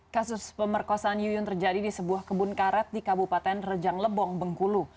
kasus pemerkosaan yuyun terjadi di sebuah kebun karet di kabupaten rejang lebong bengkulu